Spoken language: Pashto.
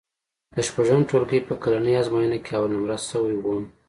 د شپږم ټولګي په کلنۍ ازموینه کې اول نومره شوی وم.